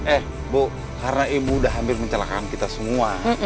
eh bu karena ibu udah hampir mencelakakan kita semua